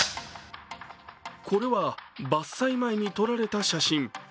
これは伐採前に撮られた写真。